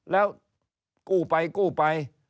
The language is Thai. แล้วกู้ไปกู้ไป